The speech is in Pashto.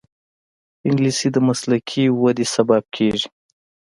انګلیسي د مسلکي وده سبب کېږي